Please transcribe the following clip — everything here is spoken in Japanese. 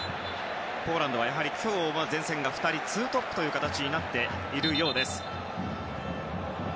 ポーランドは今日は前線が２人、２トップという形になっているようです。